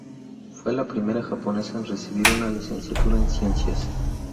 Fue la primera japonesa en recibir una Licenciatura en Ciencias.